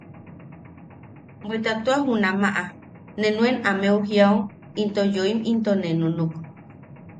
Bweta tua junamaʼa ne nuen ameu jiao into yoim into nee nunuk.